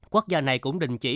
quốc gia này cũng đình chỉ